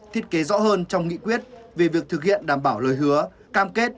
thiết kế rõ hơn trong nghị quyết về việc thực hiện đảm bảo lời hứa cam kết